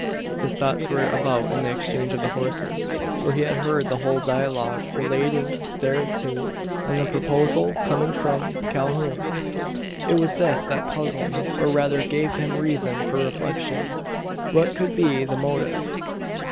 His thoughts were about the exchange of the horses: for he had heard the whole dialogue relating thereto, and the proposal coming from Calhoun. It was this that puzzled, or rather gave him reason for reflection. What could be the motive?